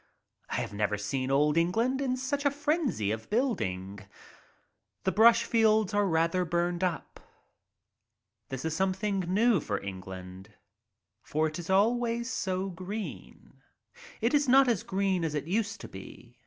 I have never seen Old England in such a frenzy of building. The brush fields are rather burned up. This is sc>mething new for England, for it is always so green. It is not as green as it used to be.